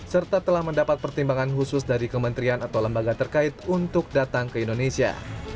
serta telah mendapat pertimbangan khusus dari kementerian atau lembaga terkait untuk datang ke indonesia